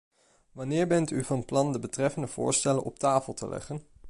Wanneer bent u van plan de betreffende voorstellen op tafel te leggen?